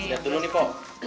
lihat dulu nih po